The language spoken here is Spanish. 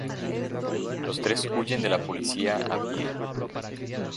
Los tres huyen de la policía a pie.